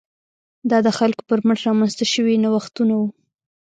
دا د خلکو پر مټ رامنځته شوي نوښتونه وو.